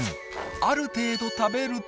ある程度食べると。